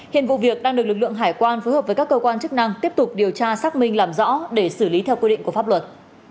hiện vụ việc đang được lực lượng hải quan phối hợp với các cơ quan chức năng tiếp tục điều tra xác minh làm rõ để xử lý theo quy định của pháp luật